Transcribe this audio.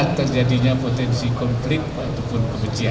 untuk tidak melakukan hal hal yang berbeda